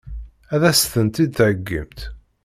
Ad as-tent-id-theggimt?